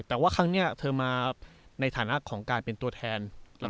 แต่ว่าครั้งนี้เธอมาในฐานะของการเป็นตัวแทน